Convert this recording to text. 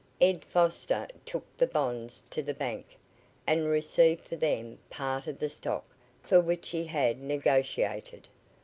Ed Foster took the bonds to the bank and received for them part of the stock for which he had negotiated.